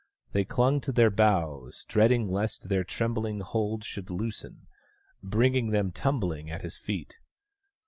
They clung to their boughs, dreading lest their trembling hold should loosen, bringing them tumbling at his feet.